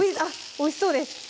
おいしそうです